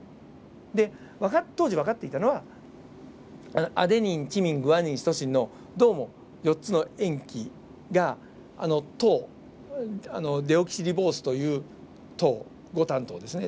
で当時分かっていたのはアデニンチミングアニンシトシンのどうも４つの塩基が糖デオキシリボースという糖五炭糖ですね。